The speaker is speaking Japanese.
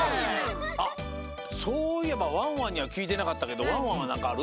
あっそういえばワンワンにはきいてなかったけどワンワンはなんかある？